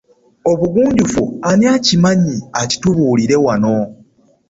Obugunjufu ani akimanyi akitubuulire wano?